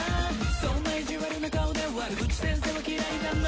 そんな意地悪な顔で悪口先生は嫌いだな